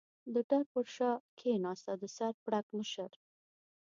د ټایر تر شا کېناست او د سر پړکمشر.